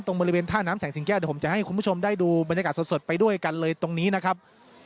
บริเวณท่าน้ำแสงสิงแก้วเดี๋ยวผมจะให้คุณผู้ชมได้ดูบรรยากาศสดไปด้วยกันเลยตรงนี้นะครับ